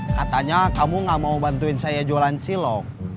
katanya kamu gak mau bantuin saya jualan cilok